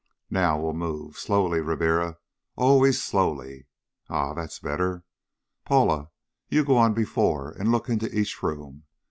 "Now we'll move. Slowly, Ribiera! Always slowly.... Ah! That's better! Paula, you go on before and look into each room.